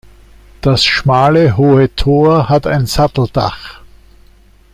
Das schmale hohe Tor hat ein Satteldach.